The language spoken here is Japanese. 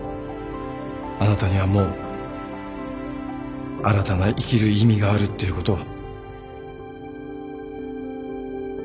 あなたにはもう新たな生きる意味があるっていうことを。